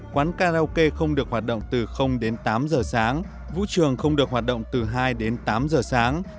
quán karaoke không được hoạt động từ đến tám giờ sáng vũ trường không được hoạt động từ hai đến tám giờ sáng